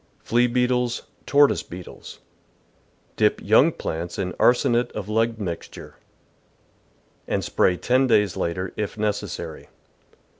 Flea Beetles, Tortoise Beetles. — Dip young plants in arsenate of lead mixture, and spray ten days later, if necessary.